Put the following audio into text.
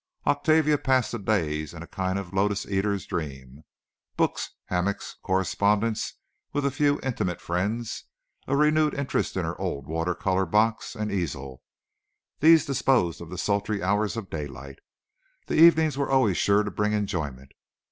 Octavia passed the days in a kind of lotus eater's dream. Books, hammocks, correspondence with a few intimate friends, a renewed interest in her old water colour box and easel—these disposed of the sultry hours of daylight. The evenings were always sure to bring enjoyment.